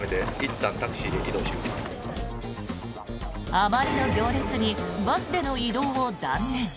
あまりの行列にバスでの移動を断念。